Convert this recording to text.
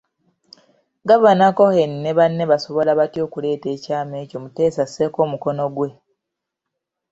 Gavana Cohen ne banne basobola batya okuleeta ekyama ekyo Muteesa asseeko omukono ggwe.